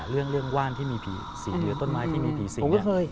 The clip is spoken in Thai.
เรื่องว่านที่มีผีหรือต้นไม้ที่มีผีสิง